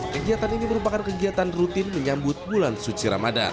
kegiatan ini merupakan kegiatan rutin menyambut bulan suci ramadan